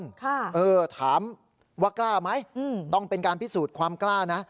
ค่ะเออถามว่ากล้าไหมอืมต้องเป็นการพิสูจน์ความกล้านะ